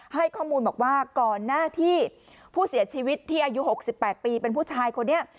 ให้ข้อมูลบอกว่าก่อนหน้าที่ผู้เสียชีวิตที่อายุ๖๘ปีเป็นผู้ชายคนนี้